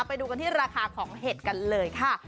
ไปดูกันที่ราคาของเห็ดกันเลยค่ะ